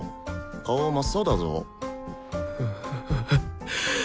顔真っ青だぞ。